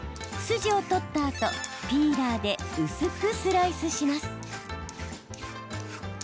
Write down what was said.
筋を取ったあとピーラーで薄くスライスします。